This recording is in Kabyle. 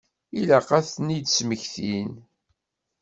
Ilaq ad tent-id-smektin.